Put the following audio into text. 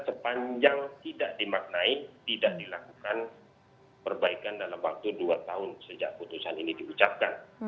yang kedua perbaikan yang tidak dimaknai tidak dilakukan perbaikan dalam waktu dua tahun sejak putusan ini diucapkan